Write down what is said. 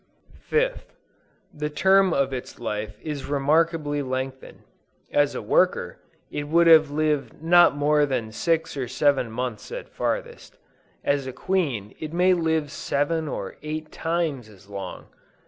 5th. The term of its life is remarkably lengthened. As a worker, it would have lived not more than six or seven months at farthest; as a queen it may live seven or eight times as long!